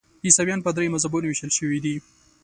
عیسویان په دریو مذهبونو ویشل شوي دي.